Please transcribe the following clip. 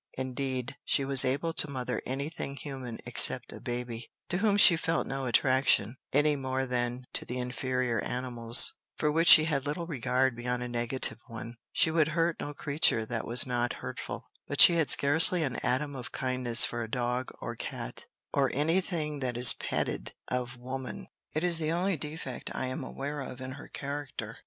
Indeed, she was able to mother any thing human except a baby, to whom she felt no attraction, any more than to the inferior animals, for which she had little regard beyond a negative one: she would hurt no creature that was not hurtful; but she had scarcely an atom of kindness for dog or cat, or any thing that is petted of woman. It is the only defect I am aware of in her character.